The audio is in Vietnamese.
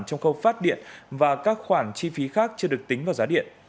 trong khâu phát điện và các khoản chi phí khác chưa được tính vào giá điện